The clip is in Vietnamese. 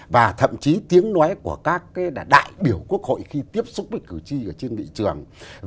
và thậm chí tiếng nói của các đại biểu quốc hội khi tiếp xúc với cử tri ở trên nghị trường